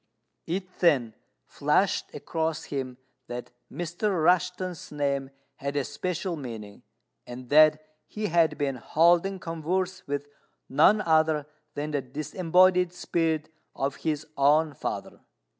It then flashed across him that Mr. Rushten's name had a special meaning, and that he had been holding converse with none other than the disembodied spirit of his own father.